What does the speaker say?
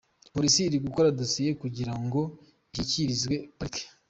"Polisi iri gukora dosiye kugira ngo iyishyikirizwe parike.